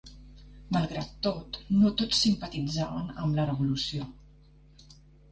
Malgrat tot, no tots simpatitzaven amb la Revolució.